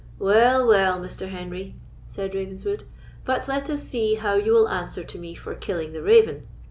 "Well, well, Mr. Henry," said Ravenswood; "but let us see how you will answer to me for killing the raven.